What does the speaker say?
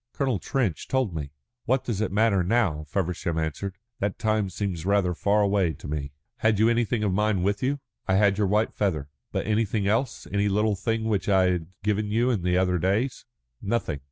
"Colonel Trench told me." "What does it matter now?" Feversham answered. "That time seems rather far away to me." "Had you anything of mine with you?" "I had your white feather." "But anything else? Any little thing which I had given you in the other days?" "Nothing."